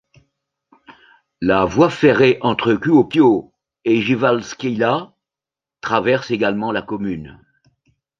La voie ferrée entre Kuopio et Jyväskylä traverse également la commune.